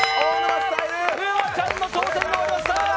沼ちゃんの挑戦が終わりました！